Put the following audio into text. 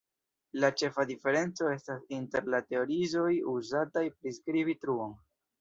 La ĉefa diferenco estas inter la teorioj uzataj priskribi truon.